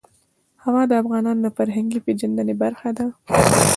هوا د افغانانو د فرهنګي پیژندنې برخه ده.